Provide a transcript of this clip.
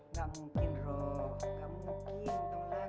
nggak mungkin rom nggak mungkin rom